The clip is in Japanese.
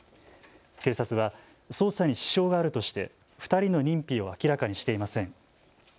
警察は捜査に支障があるとして２人の認否を明らかにしていません。